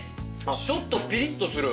ちょっとピリッとする。